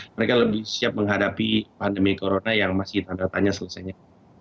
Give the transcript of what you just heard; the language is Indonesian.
mereka lebih siap menghadapi pandemi corona yang masih tanda tanya selesainya